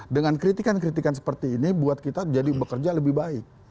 dengan kritikan kritikan seperti ini buat kita jadi bekerja lebih baik